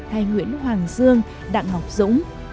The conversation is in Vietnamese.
hay nguyễn hoàng dương đặng ngọc dũng